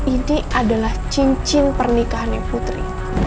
ini adalah cincin pernikahan yang putri